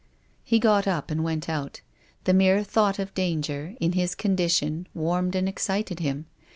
He got up and went out. The mere thought of danger, in his condition, warmed and excited him.